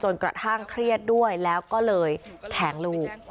กระทั่งเครียดด้วยแล้วก็เลยแทงลูก